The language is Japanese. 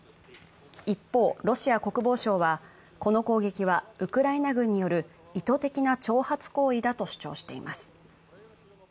一方、ロシア国防省は、この攻撃はウクライナ軍による意図的な挑発行為だと主張しています。